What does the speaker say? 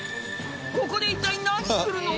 ここで一体何するの？